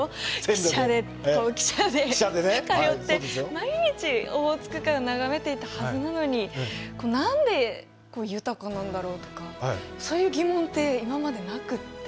毎日オホーツク海を眺めていたはずなのに何で豊かなんだろうとかそういう疑問って今までなくって。